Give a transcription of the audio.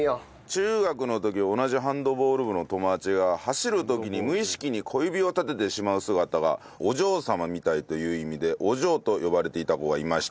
中学の時同じハンドボール部の友達が走る時に無意識に小指を立ててしまう姿がお嬢様みたいという意味で「お嬢」と呼ばれていた子がいました。